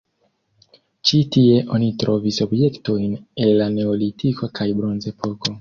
Ĉi tie oni trovis objektojn el la neolitiko kaj bronzepoko.